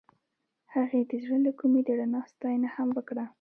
هغې د زړه له کومې د رڼا ستاینه هم وکړه.